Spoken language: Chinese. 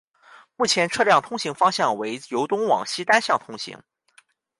目前车辆通行方向为由东往西单向通行。